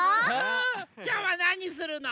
きょうはなにするの？